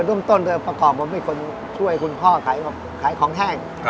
เริ่มต้นโดยประกอบผมเป็นคนช่วยคุณพ่อขายของแห้ง